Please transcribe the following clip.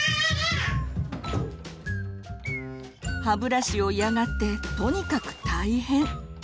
歯ブラシを嫌がってとにかく大変。